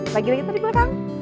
lagi lagi tarik belakang